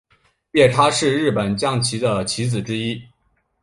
夜叉是日本将棋的棋子之一。